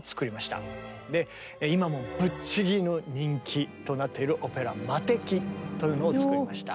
今もぶっちぎりの人気となっているオペラ「魔笛」というのを作りました。